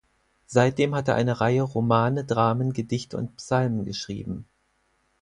Seitdem hat er eine Reihe Romane, Dramen, Gedichte und Psalmen geschrieben.